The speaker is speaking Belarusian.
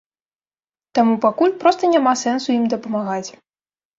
Таму пакуль проста няма сэнсу ім дапамагаць.